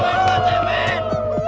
jemen pak jemen